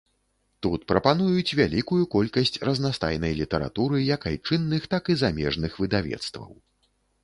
Тут прапануюць вялікую колькасць разнастайнай літаратуры як айчынных, так і замежных выдавецтваў.